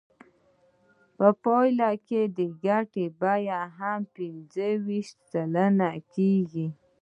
په پایله کې د ګټې بیه هم پنځه ویشت سلنه کېږي